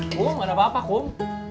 kuh gak ada apa apa kum